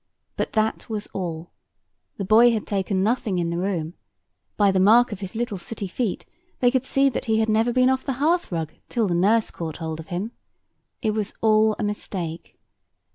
But that was all. The boy had taken nothing in the room; by the mark of his little sooty feet, they could see that he had never been off the hearthrug till the nurse caught hold of him. It was all a mistake.